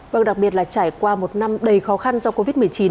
vâng đặc biệt là trải qua một năm đầy khó khăn do covid một mươi chín